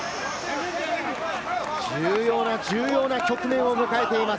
重要な局面を迎えています。